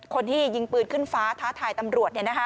คนที่ยิงปืนขึ้นฟ้าท้าทายตำรวจเนี่ยนะคะ